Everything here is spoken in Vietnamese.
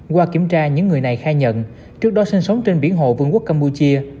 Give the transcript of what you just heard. qua kiểm tra những người này khai nhận trước đó sinh sống trên biển hồ vương quốc campuchia